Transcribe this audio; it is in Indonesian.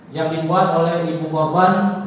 yang dibuat oleh ibu korban